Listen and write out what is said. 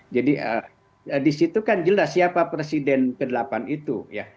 jadi di situ kan jelas siapa presiden ke delapan itu ya